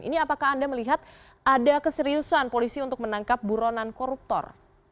ini apakah anda melihat ada keseriusan polisi untuk menangkap buronan koruptor